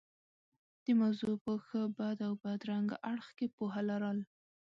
د موضوع په ښه، بد او بدرنګه اړخ کې پوهه لرل.